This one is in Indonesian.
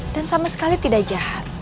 dan sama sekali tidak jahat